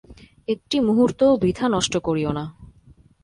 একটি মুহূর্তও বৃথা নষ্ট করিও না।